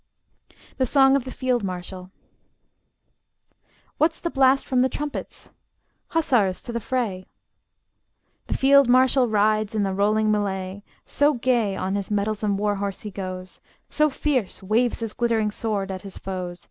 THE SONG OF THE FIELD MARSHAL What's the blast from the trumpets? Hussars, to the fray! The field marshal rides in the rolling mellay: So gay on, his mettlesome war horse he goes, So fierce waves his glittering sword at his foes.